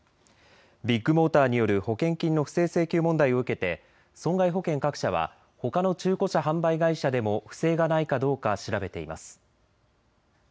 ビッグモーターによる保険金の不正請求問題を受けて損害保険各社はほかの中古車販売会社でも不正がないかどうか調べています。